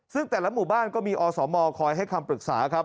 ซึ่งแต่ละหมู่บ้านก็มีอสมคอยให้คำปรึกษาครับ